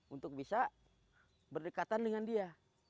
untuk bisa berdekatan dengan dia